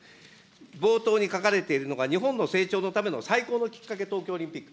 冒頭に書かれているのが、日本の成長のための再考のきっかけ、東京オリンピック。